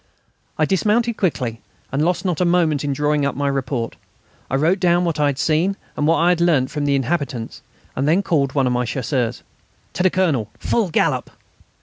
I dismounted quickly, and lost not a moment in drawing up my report. I wrote down what I had seen and what I had learnt from the inhabitants and then called one of my Chasseurs: "To the Colonel, full gallop!"